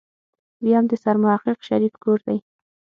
ويم د سرمحقق شريف کور دی.